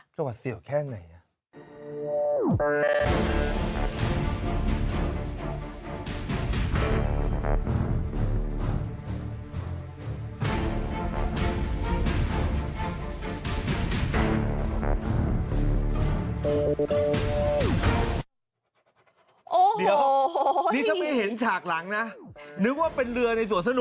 จะวัดเสียวแค่ไหน